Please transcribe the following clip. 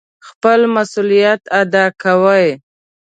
خپل مسئوليت اداء کوي.